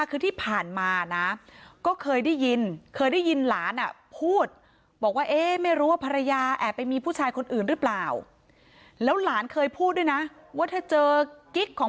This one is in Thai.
คือที่ผ่านมานะก็เคยได้ยินเคยได้ยินหลานอ่ะพูดบอกว่าเอ๊ะไม่รู้ว่าภรรยาแอบไปมีผู้ชายคนอื่นหรือเปล่าแล้วหลานเคยพูดด้วยนะว่าถ้าเจอกิ๊กของ